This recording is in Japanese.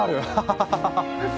ハハハハッ！